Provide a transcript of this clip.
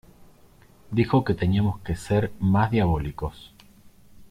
Dijo que teníamos que ser más diabólicos.